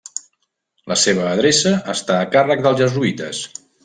La seva adreça està a càrrec dels jesuïtes.